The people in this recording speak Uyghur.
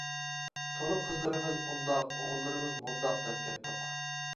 تولا قىزلىرىمىز ئۇنداق، ئوغۇللىرىمىز مۇنداق دەپ كەتتۇق!